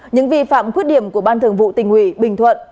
những vi phạm quyết điểm của ban thường vụ tỉnh ubnd tỉnh bình thuận